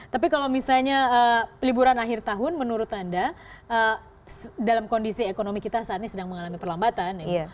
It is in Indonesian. tapi kalau misalnya liburan akhir tahun menurut anda dalam kondisi ekonomi kita saat ini sedang mengalami perlambatan